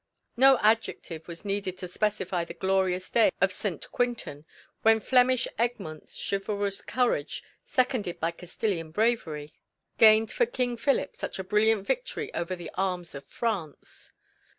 No adjective was needed to specify the glorious day of St. Quentin, when Flemish Egmont's chivalrous courage, seconded by Castilian bravery, gained for King Philip such a brilliant victory over the arms of France.